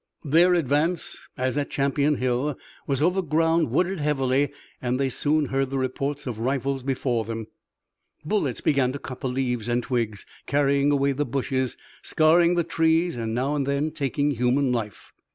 Their advance, as at Champion Hill, was over ground wooded heavily and they soon heard the reports of the rifles before them. Bullets began to cut the leaves and twigs, carrying away the bushes, scarring the trees and now and then taking human life.